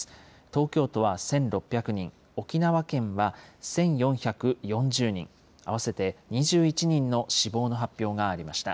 東京都は１６００人、沖縄県は１４４０人、合わせて２１人の死亡の発表がありました。